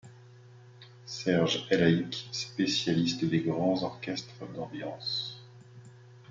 Serge Elhaïk, spécialiste des grands orchestres d'ambiance,